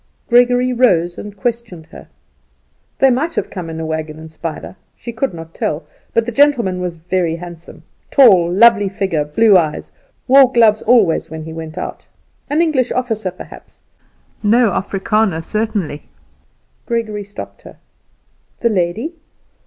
Gregory rose and questioned her. They might have come in a wagon and spider, she could not tell. But the gentleman was very handsome, tall, lovely figure, blue eyes, wore gloves always when he went out. An English officer, perhaps; no Africander, certainly. Gregory stopped her. The lady?